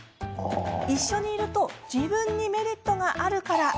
一緒にいると自分にメリットがあるから。